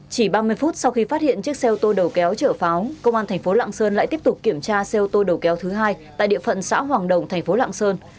chỉ ba mươi phút sau khi phát hiện chiếc xeo tô đầu kéo trở pháo công an tp lạng sơn lại tiếp tục kiểm tra xeo tô đầu kéo thứ hai tại địa phận xã hoàng đồng tp lạng sơn